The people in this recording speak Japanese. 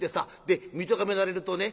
で見とがめられるとね